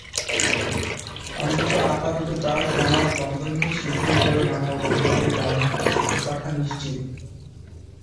অন্তত আপাতত তা সমাজ-বন্ধনকে শিথিল করে নানা উপদ্রবের কারণ হবে, এ কথা নিশ্চিত।